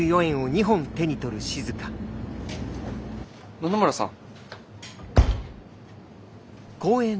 野々村さん。